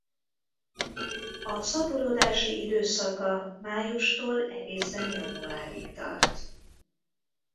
A szaporodási időszaka májustól egészen januárig tart.